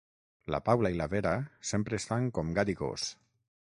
La Paula i la Vera sempre estan com gat i gos